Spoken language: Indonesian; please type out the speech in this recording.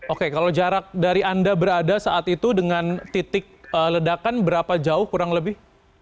oke kalau jarak dari anda berada saat itu dengan titik ledakan berapa jauh kurang lebih